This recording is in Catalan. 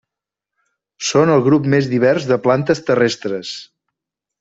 Són el grup més divers de plantes terrestres.